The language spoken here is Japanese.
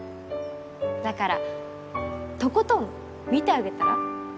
だからとことん見てあげたら？